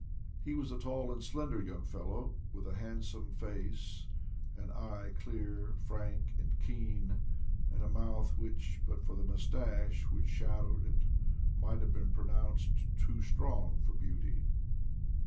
He was a tall and slender young fellow, with a handsome face, an eye clear, frank, and keen, and a mouth which, but for the moustache which shadowed it, might have been pronounced too strong for beauty.